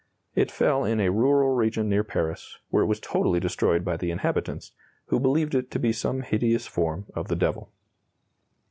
It fell in a rural region near Paris, where it was totally destroyed by the inhabitants, who believed it to be some hideous form of the devil.